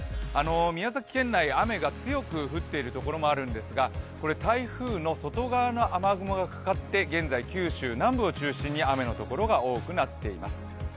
宮崎県内、雨が強く降っている所もあるんですがこれ台風の外側の雨雲がかかって、現在九州南部を中心に雨のところが多くなっています。